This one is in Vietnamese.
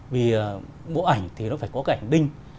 vì bộ ảnh thì nó phải có cảnh đinh